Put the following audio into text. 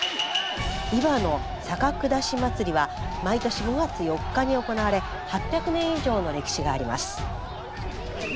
毎年５月４日に行われ８００年以上の歴史があります。